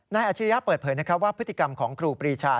อาชริยะเปิดเผยว่าพฤติกรรมของครูปรีชา